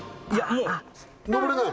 もう上れない？